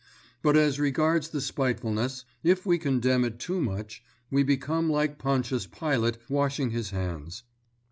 But as regards the spitefulness, if we condemn it too much, we become like Pontius Pilate washing his hands.